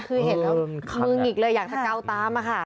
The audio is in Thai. คือเห็นแล้วมึงอีกเลยอย่างสักเก้าตามมาค่ะ